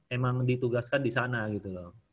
emang ditugaskan disana gitu loh